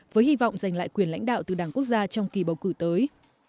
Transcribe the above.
với hy vọng giành lại quyền lãnh đạo từ đảng quốc gia trong kỳ bầu cử tới